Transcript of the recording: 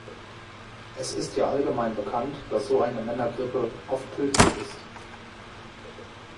Es ist ja allgemein bekannt, dass so eine Männergrippe oft tödlich ist.